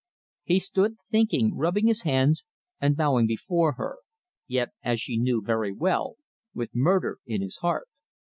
He stood thinking, rubbing his hands and bowing before her, yet, as she knew very well, with murder in his heart.